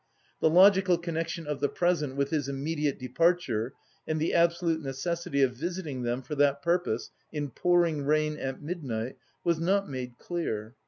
The logical connection of the present with his immediate departure and the absolute necessity of visiting them for that purpose in pouring rain at midnight was not made clear.